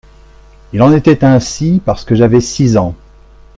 Il en était ainsi parce que j'avais six ans.